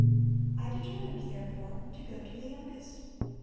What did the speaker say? "I determined therefore to go to the youngest.